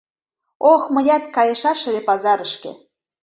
Ох, мыят кайышаш ыле пазарышке!